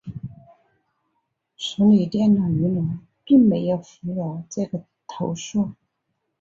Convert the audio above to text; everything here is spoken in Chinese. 索尼电脑娱乐并没有忽略这个投诉。